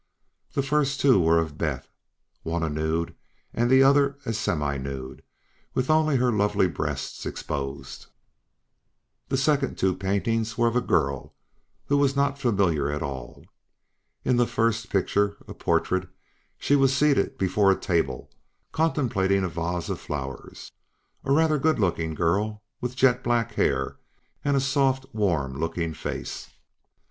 The first two were of Beth, one a nude and the other a semi nude, with only her lovely breasts exposed. The second two paintings were of a girl who was not familiar at all. In the first picture, a portrait, she was seated before a table, contemplating a vase of flowers. A rather good looking girl with jet black hair and a soft, warm looking face.